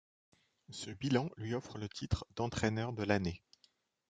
Ce bilan lui offre le titre d'entraineur de l'année.